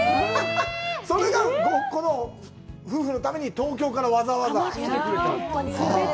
７？それがこの夫婦のために東京からわざわざ来てくれて。